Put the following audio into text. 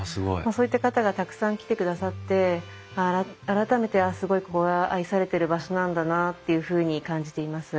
そういった方がたくさん来てくださって改めてすごいここが愛されてる場所なんだなっていうふうに感じています。